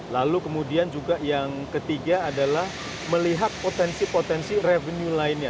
lalu kemudian juga yang ketiga adalah melihat potensi potensi revenue lainnya